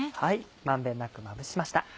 満遍なくまぶしました。